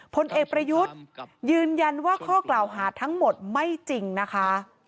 ผลเอกประยุทธ์ยืนยันว่าข้อกล่าวหาทั้งหมดไม่จริงนะคะ